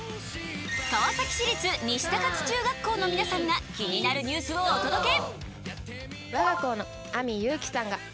川崎市立西高津中学校の皆さんが気になるニュースをお届け。